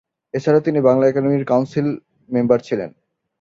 এছাড়া তিনি বাংলা একাডেমীর কাউন্সিল মেম্বার ছিলেন।